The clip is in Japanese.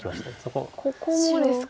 ここもですか。